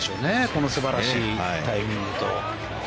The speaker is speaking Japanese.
この素晴らしいタイミングと。